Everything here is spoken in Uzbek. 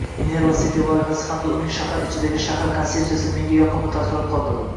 “Minerva City loyihasi hamda uning – “shahar ichidagi shahar” konsepsiyasi menda yoqimli taassurot qoldirdi.